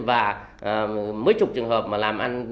và mấy chục trường hợp mà làm ăn